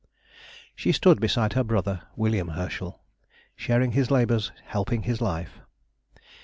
She stood beside her brother, William Herschel, sharing his labours, helping his life.